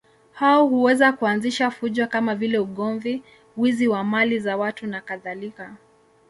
Hao huweza kuanzisha fujo kama vile ugomvi, wizi wa mali za watu nakadhalika.